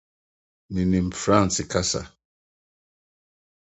Minim Franse kasa.